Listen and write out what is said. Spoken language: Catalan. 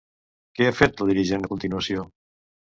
Què ha fet la dirigent a continuació?